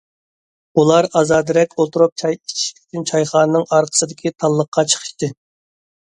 ئۇلار ئازادىرەك ئولتۇرۇپ چاي ئىچىش ئۈچۈن چايخانىنىڭ ئارقىسىدىكى تاللىققا چىقىشتى.